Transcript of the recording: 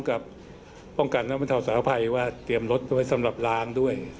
กับป้องกันและมันถามสาวภัยเขาว่าเตรียมรถสำหรับล้างด้วย